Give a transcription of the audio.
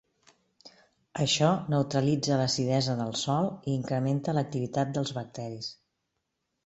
Això neutralitza l'acidesa del sòl i incrementa l'activitat dels bacteris.